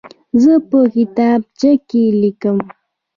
زه په کتابچه کې لیکم.